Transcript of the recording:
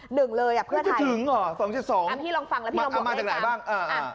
หนึ่งเลยอ่ะเพื่อไทยไม่ถึงอ่ะสองเจ็ดสิบสองอ่ะพี่ลองฟังแล้วพี่ลองบอกให้ทำเอามาจากไหนบ้างอ่าอ่า